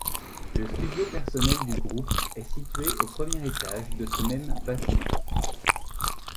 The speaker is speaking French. Le studio personnel du groupe est situé au premier étage de ce même bâtiment.